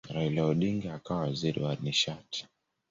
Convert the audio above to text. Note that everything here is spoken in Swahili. Raila Odinga akawa waziri wa nishati.